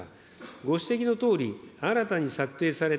ご指摘のとおり、新たに策定された